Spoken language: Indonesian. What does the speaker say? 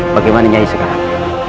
bagaimana nyai sekarang